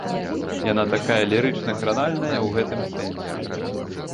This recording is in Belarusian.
Яна такая лірычна-кранальная ў гэтым сэнсе.